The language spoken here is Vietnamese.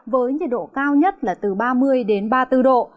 với nhiệt độ cao nhất là từ ba mươi đến ba mươi bốn độ